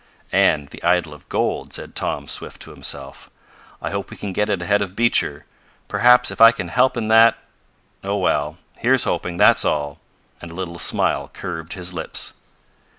"And the idol of gold," said Tom Swift to himself. "I hope we can get it ahead of Beecher. Perhaps if I can help in that Oh, well, here's hoping, that's all!" and a little smile curved his lips.